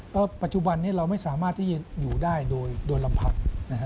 แล้วปัจจุบันนี้เราไม่สามารถที่จะอยู่ได้โดยลำพัง